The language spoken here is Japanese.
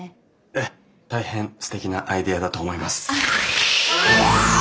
ええ大変すてきなアイデアだと思います。